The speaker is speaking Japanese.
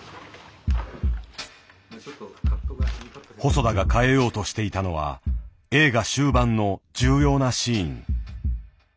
細田が変えようとしていたのは映画終盤の重要なシーン。